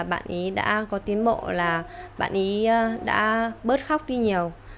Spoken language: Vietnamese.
bạn ấy đã có tiến bộ bạn ấy đã bớt khóc đi nhiều